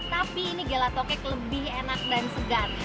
tapi ini gelato cake lebih enak dan segar